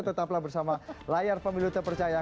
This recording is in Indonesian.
tetaplah bersama layar pemilu terpercaya